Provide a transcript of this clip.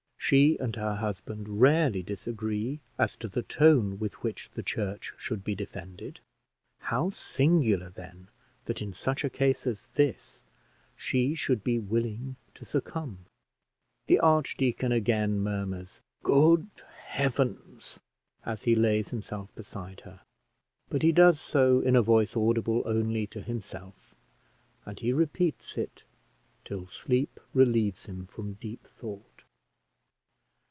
She and her husband rarely disagree as to the tone with which the church should be defended; how singular, then, that in such a case as this she should be willing to succumb! The archdeacon again murmurs "Good heavens!" as he lays himself beside her, but he does so in a voice audible only to himself, and he repeats it till sleep relieves him from deep thought.